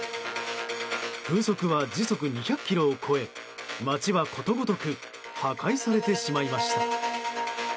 風速は時速２００キロを超え街は、ことごとく破壊されてしまいました。